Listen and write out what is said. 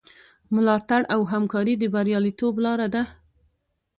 ملاتړ او همکاري د بریالیتوب لاره ده.